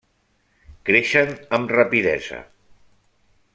Creixen amb rapidesa.